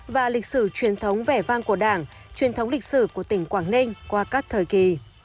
và lịch sử truyền thống vẻ vang của đảng truyền thống lịch sử của tỉnh quảng ninh qua các thời kỳ